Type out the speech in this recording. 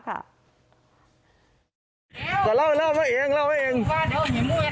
ใช่ค่ะไปดูภาพค่ะ